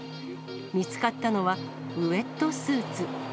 見つかったのは、ウエットスーツ。